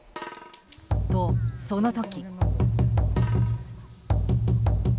と、その時。